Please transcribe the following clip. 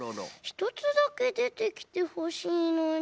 ひとつだけでてきてほしいのに。